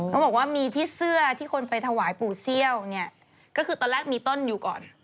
เขาบอกว่ามีที่เสื้อที่คนไปถวายปู่เซี่ยวเนี่ยก็คือตอนแรกมีต้นอยู่ก่อน